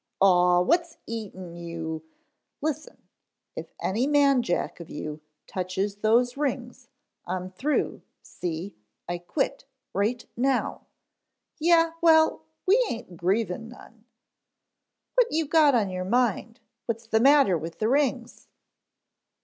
"Aw, what's eatin' you " "Listen, if any man jack of you touches those rings, I'm through, see, I quit right now " "Yeh, well, we aint grievin' none." "What you got on your mind? What's the matter with the rings?"